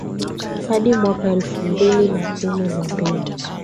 hadi mwaka elfu mbili na kumi na mbili